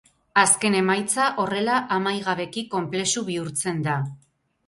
Azken emaitza, horrela, amaigabeki konplexu bihurtzen da.